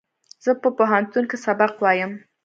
زه په پوهنتون کښې سبق وایم